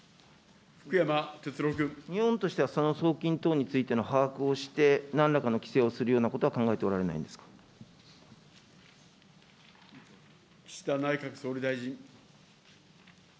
日本としては、その送金等についての把握をして、なんらかの規制をするようなこと岸田内閣総理大臣。